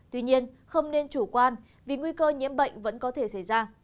tuy nhiên không nên chủ quan vì nguy cơ nhiễm bệnh vẫn có thể xảy ra